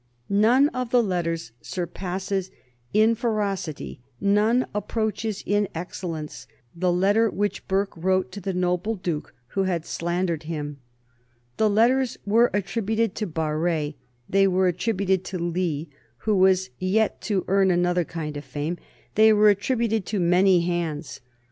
None of the letters surpasses in ferocity, none approaches in excellence the letter which Burke wrote to the noble Duke who had slandered him. The letters were attributed to Barré; they were attributed to Lee, who was yet to earn another kind of fame; they were attributed to many hands.